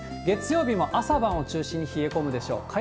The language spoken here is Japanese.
月曜日も朝晩を中心に冷え込むでしょう。